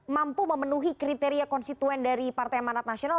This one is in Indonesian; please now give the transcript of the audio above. mampu memenuhi kriteria konstituen dari partai amanat nasional